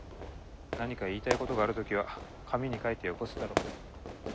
何か言いたいことがある時は紙に書いてよこすだろう。